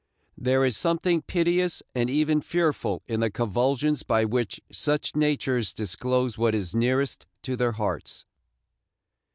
There is something piteous and even fearful in the convulsions by which such natures disclose what is nearest to their hearts.